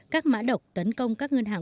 các mã độc tấn công các ngân hàng